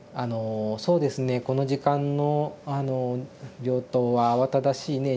「そうですねこの時間の病棟は慌ただしいね。